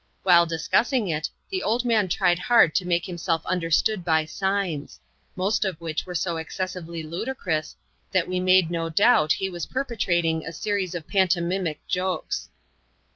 While discussing it, the old man tried hard to make himself understood by signs ; most o( which were so excessively ludicrous, that we made no doubt he was perpetrating a series of pantomimic jokes.